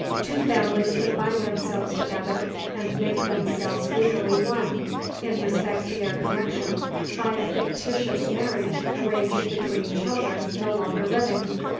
Two families could bind themselves together and make themselves legally one, in respect to their connection, by a fictitious marriage arranged between children no longer living.